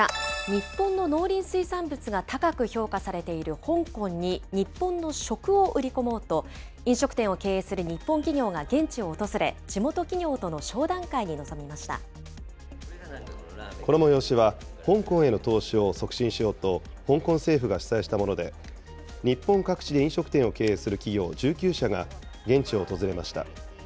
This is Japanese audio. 日本の農林水産物が高く評価されている香港に、日本の食を売り込もうと、飲食店を経営する日本企業が現地を訪れ、この催しは、香港への投資を促進しようと、香港政府が主催したもので、日本各地で飲食店を経営する企業１９社が現地を訪れました。